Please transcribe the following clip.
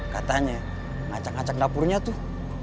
katanya ngacak ngacak dapurnya tuh